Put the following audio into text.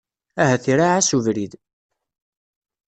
Ahat iraɛ-as ubrid.